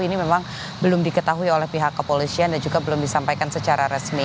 ini memang belum diketahui oleh pihak kepolisian dan juga belum disampaikan secara resmi